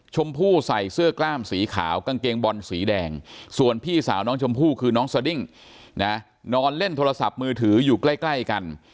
ชมพู่ใส่เสื้อกล้ามสีขาวกางเกงบอลสีแดงส่วนพี่สาวน้องชมพู่คือน้องสดิ้งนะนอนเล่นโทรศัพท์มือถืออยู่ใกล้กัน